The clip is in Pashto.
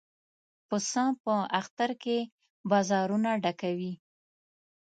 پسه په اختر کې بازارونه ډکوي.